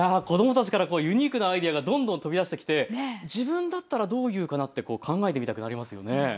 子どもたちからユニークなアイデアがどんどん飛び出してきて自分だったらどういうかなと考えてみたくなりますね。